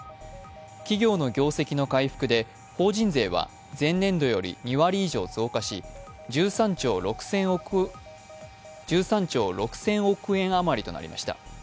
企業の業績の回復で法人税は前年度より２割以上増加し１３兆６０００億円余りとなりました。